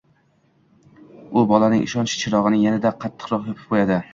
u bolaning ishonch chig‘anog‘ini yana-da qattiqroq yopib qo‘yadi.